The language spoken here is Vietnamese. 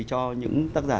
cho những tác giả